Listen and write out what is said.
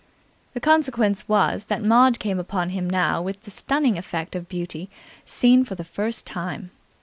The consequence was that Maud came upon him now with the stunning effect of beauty seen for the first time.